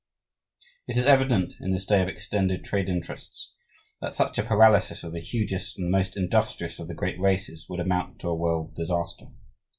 It is evident, in this day of extended trade interests, that such a paralysis of the hugest and the most industrious of the great races would amount to a world disaster.